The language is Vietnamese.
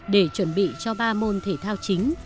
để chuẩn bị cho ba môn thể thao chính